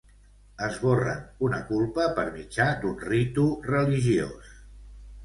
Esborren una culpa per mitjà d'un ritu religiós.